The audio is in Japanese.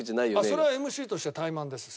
それはＭＣとしては怠慢です